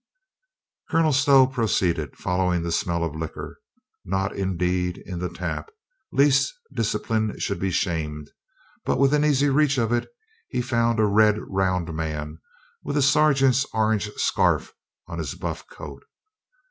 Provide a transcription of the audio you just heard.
Colonel Stow proceeded, following the smell of liquor. Not indeed in the tap, lest discipline should be shamed, but within easy reach of it he found a red round man with a sergeant's orange scarf on his buff coat.